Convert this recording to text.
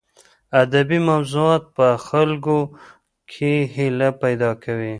ادبي موضوعات په خلکو کې هیله پیدا کوي.